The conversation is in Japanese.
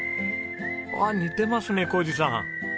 ああ似てますね宏二さん。